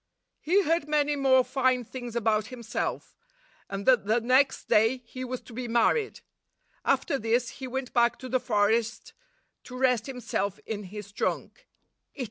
He heard many more fine things about him self, and that the next day he was to be married. After this he went back to the forest to rest him self in his trunk.